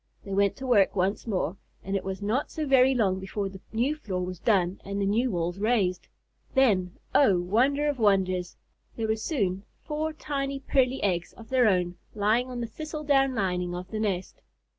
They went to work once more, and it was not so very long before the new floor was done and the new walls raised. Then, oh, wonder of wonders! there were soon four tiny, pearly eggs of their own lying on the thistle down lining of the nest.